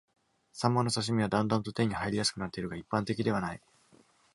サンマの刺身はだんだんと手に入りやすくなっているが、一般的ではない。